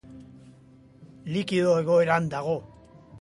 Likido-egoeran dago.